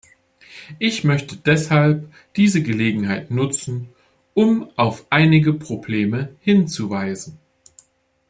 Ich möchte deshalb diese Gelegenheit nutzen, um auf einige Probleme hinzuweisen.